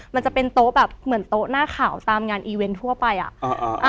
มันจะเป็นโต๊ะแบบเหมือนโต๊ะหน้าขาวตามงานอีเวนต์ทั่วไปอ่ะ